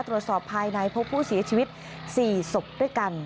ตรวจสอบภายในพบผู้เสียชีวิต๔ศพด้วยกัน